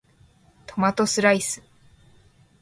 トマトスライス